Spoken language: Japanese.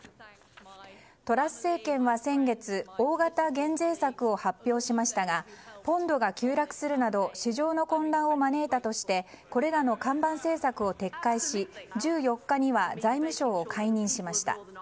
トラス政権は先月大型減税策を発表しましたがポンドが急落するなど市場の混乱を招いたとしてこれらの看板政策を撤回し１４日には財務相を解任しました。